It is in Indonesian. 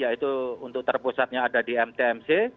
yaitu untuk terpusatnya ada di mtmc